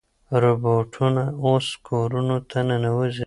روباټونه اوس کورونو ته ننوځي.